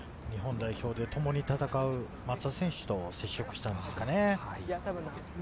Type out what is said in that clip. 日本代表で共に戦う松田選手と接触したんですかね。